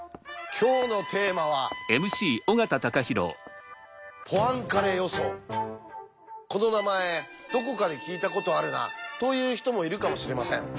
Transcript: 今日のテーマはこの名前どこかで聞いたことあるなという人もいるかもしれません。